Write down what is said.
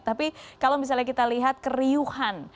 tapi kalau misalnya kita lihat keriuhan